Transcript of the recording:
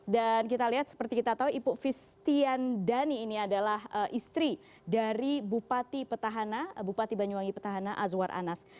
dan kita lihat seperti kita tahu ipuk fistian dhani ini adalah istri dari bupati petahana bupati banyuwangi petahana azwar anas